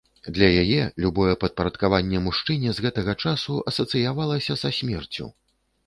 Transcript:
Для яе любое падпарадкаванне мужчыне з гэтага часу асацыявалася са смерцю.